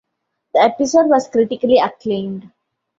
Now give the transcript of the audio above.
The episode was critically acclaimed.